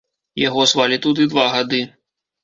Яго звалі туды два гады.